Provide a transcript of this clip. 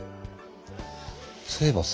そういえばさ。